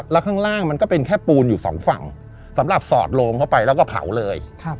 แล้วข้างล่างมันก็เป็นแค่ปูนอยู่สองฝั่งสำหรับสอดโลงเข้าไปแล้วก็เผาเลย